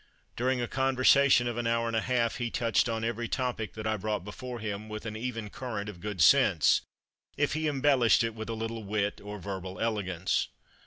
During a conversation of an hour and a half "he touched on every topic that I brought before him with an even current of good sense, if he embellished it with little wit or verbal elegance."